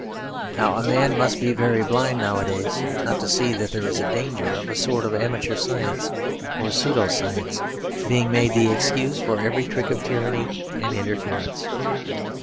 Now a man must be very blind nowadays not to see that there is a danger of a sort of amateur science or pseudo science being made the excuse for every trick of tyranny and interference.